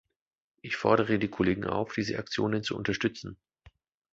Ich fordere die Kollegen auf, diese Aktionen zu unterstützen.